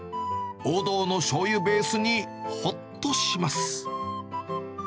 王道のしょうゆベースにほっとします。